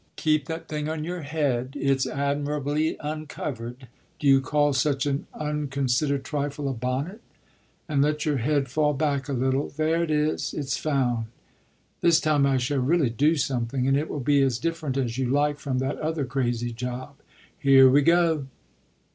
Keep that thing on your head it's admirably uncovered: do you call such an unconsidered trifle a bonnet? and let your head fall back a little. There it is it's found. This time I shall really do something, and it will be as different as you like from that other crazy job. Here we go!"